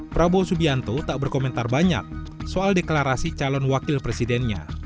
prabowo subianto tak berkomentar banyak soal deklarasi calon wakil presidennya